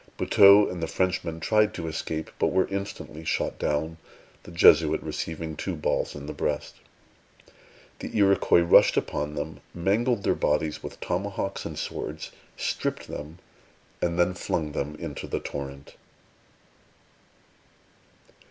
Buteux and the Frenchman tried to escape, but were instantly shot down, the Jesuit receiving two balls in the breast. The Iroquois rushed upon them, mangled their bodies with tomahawks and swords, stripped them, and then flung them into the torrent.